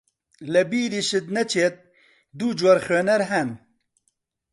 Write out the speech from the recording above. لە بیریشت نەچێت دوو جۆر خوێنەر هەن